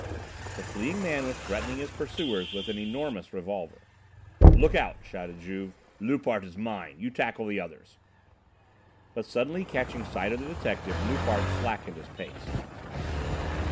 The fleeing man was threatening his pursuers with an enormous revolver. "Look out!" shouted Juve. "Loupart is mine! You tackle the others!" But suddenly catching sight of the detective Loupart slackened his pace.